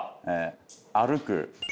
歩く。